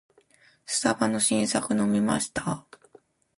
スタバの新作飲みました？